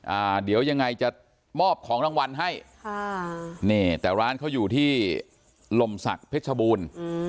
อ่าเดี๋ยวยังไงจะมอบของรางวัลให้ค่ะนี่แต่ร้านเขาอยู่ที่ลมศักดิ์เพชรบูรณ์อืม